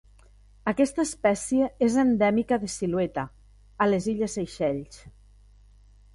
Aquesta espècie és endèmica de Silueta, a les illes Seychelles.